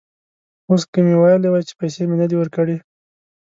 اوس که مې ویلي وای چې پیسې مې نه دي ورکړي.